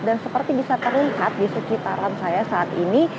seperti bisa terlihat di sekitaran saya saat ini